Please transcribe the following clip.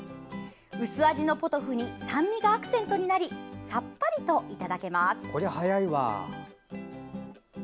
薄味のポトフに酸味がアクセントになりさっぱりといただけます。